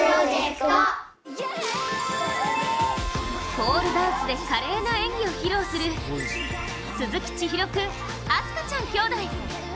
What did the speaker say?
ポールダンスで華麗な演技を披露する鈴木千尋君、茉華ちゃんきょうだい。